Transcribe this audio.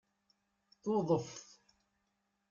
Tuḍeft